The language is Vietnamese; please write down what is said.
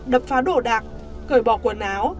đập phá đổ đạc cởi bỏ quần áo